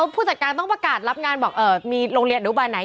ผู้จัดการต้องประกาศรับงานบอกมีโรงเรียนอนุบาลไหน